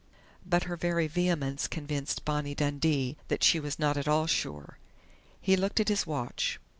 But her very vehemence convinced Bonnie Dundee that she was not at all sure.... He looked at his watch.